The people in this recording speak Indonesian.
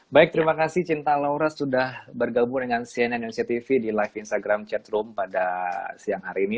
baik terima kasih cinta laura sudah bergabung dengan cnn indonesia tv di live instagram chatroom pada siang hari ini